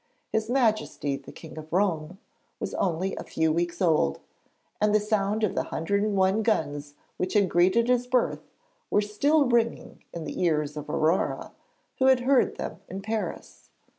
'His Majesty the King of Rome' was only a few weeks old, and the sound of the hundred and one guns which had greeted his birth were still ringing in the ears of Aurore, who had heard them in Paris.